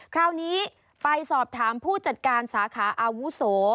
คราวนี้ไปสอบถามผู้จัดการสาขาอาวุโส